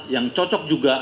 yang cocok juga